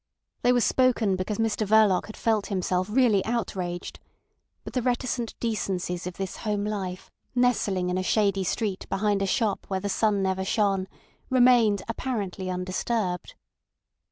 They were spoken because Mr Verloc had felt himself really outraged; but the reticent decencies of this home life, nestling in a shady street behind a shop where the sun never shone, remained apparently undisturbed.